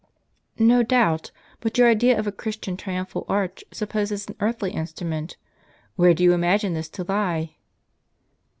'"" No doubt ; but your idea of a Christian triumphal arch supposes an earthly instrument ; where do you imagine this to lie